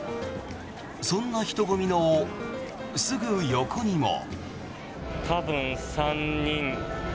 そんな人混みのすぐ横にも。